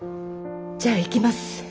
じゃあ行きます。